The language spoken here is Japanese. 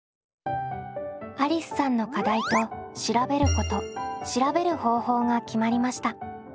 ありすさんの課題と調べること調べる方法が決まりました。